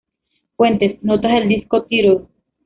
Fuentes: Notas del disco "Title".